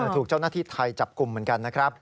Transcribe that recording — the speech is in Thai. ถูกเจ้าหน้าที่ไทยจับกลุ่มเหมือนกันนะครับ